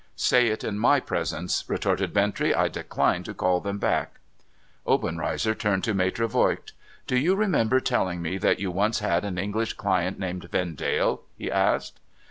' Say it in my presence,' retorted Bintrey. ' I decline to call them back.' Obenreizer turned to Maitre Voigt. ' Do you remember telling me that you once had an English client named Vendale?' he asked.